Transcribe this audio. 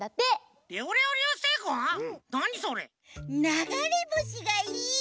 ながれぼしがいっぱいよ